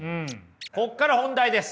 ここから本題です。